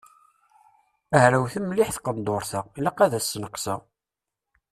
Hrawet mliḥ tqendurt-a, ilaq ad as-sneqseɣ.